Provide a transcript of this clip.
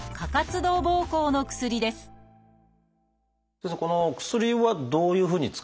先生この薬はどういうふうに使い分けるんですか？